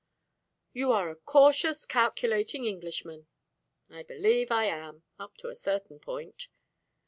"You are a cautious calculating Englishman." "I believe I am up to a certain point."